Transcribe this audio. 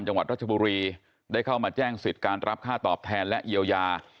จังหวัดรัชบุรีได้เข้ามาแจ้งสิทธิ์การรับค่าตอบแทนและเยียวยา